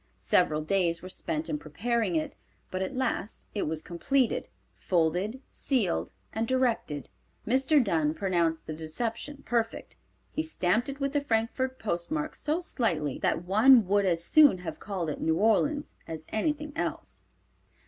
Several days were spent in preparing it, but at last it was completed, folded, sealed and directed. Mr. Dunn pronounced the deception perfect. He stamped it with the Frankfort postmark so slightly that one would as soon have called it "New Orleans" as anything else.